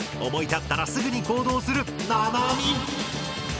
思い立ったらすぐに行動するななみ！